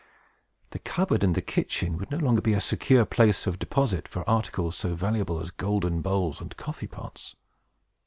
The cupboard and the kitchen would no longer be a secure place of deposit for articles so valuable as golden bowls and coffee pots.